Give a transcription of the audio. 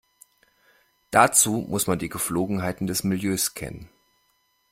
Dazu muss man die Gepflogenheiten des Milieus kennen.